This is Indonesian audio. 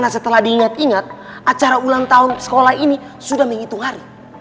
datang mengambil alih kerja keras rifki selama ini bapak